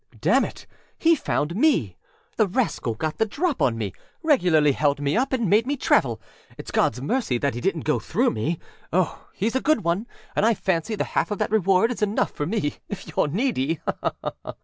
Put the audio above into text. â âDamn it! he found me. The rascal got the drop on meâregularly held me up and made me travel. Itâs Godâs mercy that he didnât go through me. Oh, heâs a good one, and I fancy the half of that reward is enough for me if youâre needy.